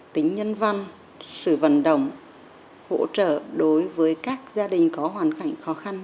tính nhân văn sự vận động hỗ trợ đối với các gia đình có hoàn cảnh khó khăn